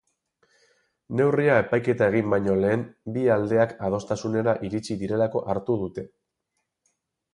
Neurria epaiketa egin baino lehen bi aldeak adostasunera iritsi direlako hartu dute.